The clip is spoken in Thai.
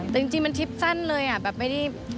แต่จริงมันทริปสั้นเลยอ่ะแบบไม่ได้